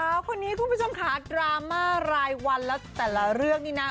สาวคนนี้คุณผู้ชมค่ะดราม่ารายวันแล้วแต่ละเรื่องนี่นะ